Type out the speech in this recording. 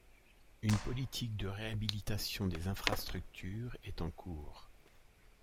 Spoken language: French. Une politique de réhabilitation des infrastructures est en cours.